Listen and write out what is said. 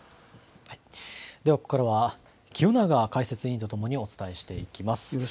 ここからは清永解説委員と共にお伝えしていきます。